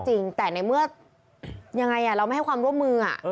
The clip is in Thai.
จริงแต่ในเมื่อยังไงเราไม่ให้ความร่วมมือ